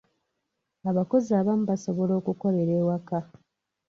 Abakozi abamu basobola okukolera ewaka.